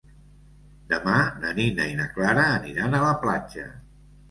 Demà na Nina i na Clara aniran a la platja.